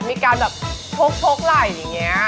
มีการแบบพกไหล่อย่างนี้